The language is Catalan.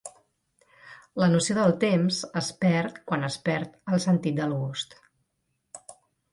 La noció del temps es perd quan es perd el sentit del gust